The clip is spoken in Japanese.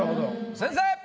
先生！